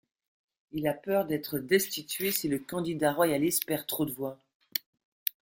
Il a peur d'être destitué si le candidat royaliste perd trop de voix.